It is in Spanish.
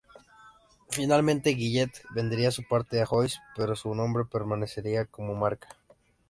Finalmente, Gillette vendería su parte a Joyce, pero su nombre permanecería como marca.